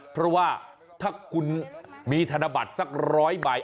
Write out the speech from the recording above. เพราะว่าถ้ามีธนบัตรสักร้อยใบ